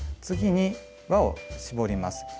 次に輪を絞ります。